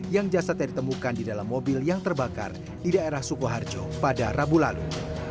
yang jasadnya ditemukan di dalam mobil yang terbakar di daerah sukoharjo pada rabu lalu